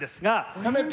やめて！